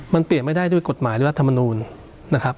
มันเปลี่ยนไม่ได้ด้วยกฎหมายหรือรัฐมนูลนะครับ